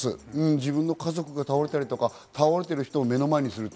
自分の家族が倒れたり、倒れてる人を目の前にすると。